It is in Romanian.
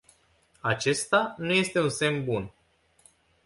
Acesta nu este un semn bun.